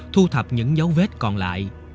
thu thập những dấu vết còn lại